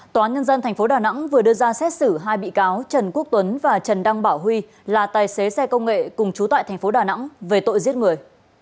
tòa nhân dân tp đà nẵng vừa đưa ra xét xử hai bị cáo trần quốc tuấn và trần đăng bảo huy là tài xế xe công nghệ cùng chú tại tp đà nẵng về tội giết người